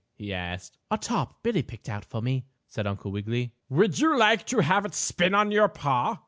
he asked. "A top Billie just picked out for me," said Uncle Wiggily. "Would you like to have it spin on your paw?"